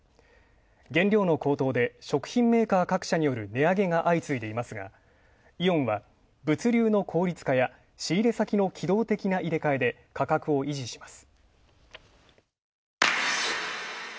原料の高騰で食品メーカー各社による値上げが相次いでいますがイオンは物流の効率化や仕入れ先の機動的な入れ替えで価格を維持します。